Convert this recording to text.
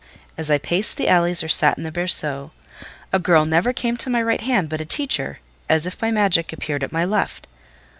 As I paced the alleys or sat in the berceau, a girl never came to my right hand but a teacher, as if by magic, appeared at my left.